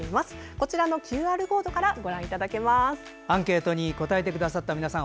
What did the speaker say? こちらのＱＲコードからアンケートに答えてくださった皆さん